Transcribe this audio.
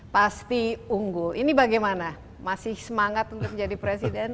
pasti unggul ini bagaimana masih semangat untuk jadi presiden